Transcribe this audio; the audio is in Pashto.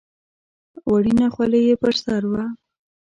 وړینه خولۍ یې پر سر وه.